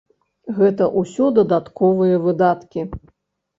Гэта ўсё дадатковыя выдаткі.